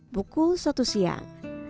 pukul satu siang